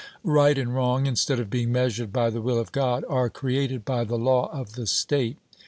Right and wrong, instead of being measured by the will of God, are created by the law of the state.